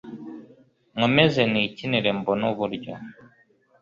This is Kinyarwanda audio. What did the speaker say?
nkomeze nikinire mbone uburyo